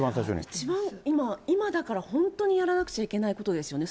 一番、今、今だから本当にやらなくちゃいけないことですよね。